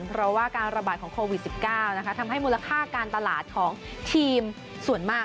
เพราะว่าการระบาดของโควิด๑๙ทำให้มูลค่าการตลาดของทีมส่วนมาก